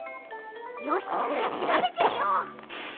よししらべてみよう！